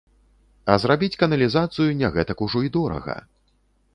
А зрабіць каналізацыю не гэтак ужо і дорага.